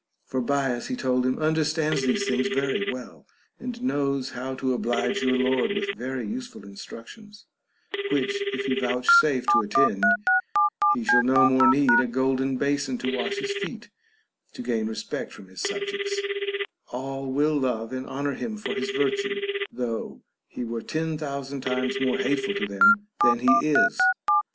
For Bias, he told him, under stands these things very well, and knows how to oblige your lord with very useful instructions, which if he vouch safe to attend, he shall no more need a golden basin to wash his feet, to gain respect from his subjects ; all will love and honor him for his virtue, though he were ten thousand THE BANQUET OF THE SEVEN WISE MEN. 15 times more hateful to them than he is.